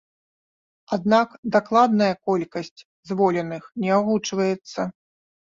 Аднак дакладная колькасць звольненых не агучваецца.